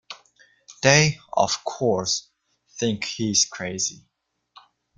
They, of course, think he's crazy.